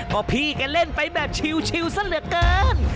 ก็พี่ก็เล่นไปแบบชิวซะเหลือเกิน